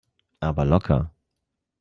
Aber locker!